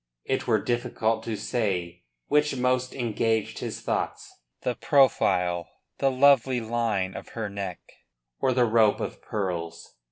It were difficult to say which most engaged his thoughts: the profile; the lovely line of neck; or the rope of pearls.